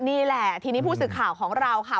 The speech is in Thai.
นี่แหละทีนี้ผู้สื่อข่าวของเราค่ะ